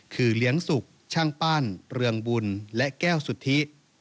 คือเลี้ยงสุกช่างปั้นเรืองบุญและแก้วสุทธิ